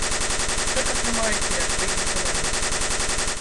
Чэк атрымаеце, як прыйдзеце на месца.